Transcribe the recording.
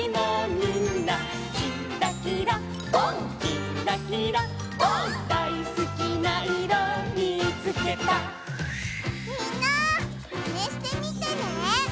みんなマネしてみてね。